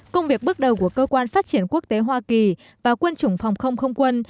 công việc bước đầu của cơ quan phát triển quốc tế hoa kỳ và quân chủng phòng không không quân